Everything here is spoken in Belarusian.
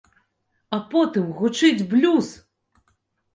А потым гучыць блюз!